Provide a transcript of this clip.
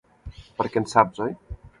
Perquè en saps, oi?